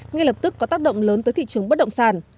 ngay lập tức có tác động lớn tới thị trường bất động sản